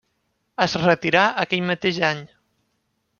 Es retirà aquell mateix any.